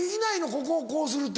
ここをこうするって。